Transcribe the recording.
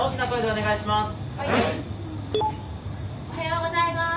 おはようございます。